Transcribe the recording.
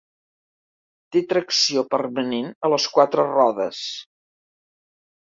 Té tracció permanent a les quatre rodes.